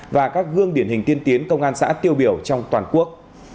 và các gương điển hình tiên tiến công an xã tiêu biểu trong toàn quốc